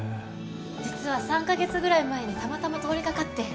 実は３カ月ぐらい前にたまたま通りかかって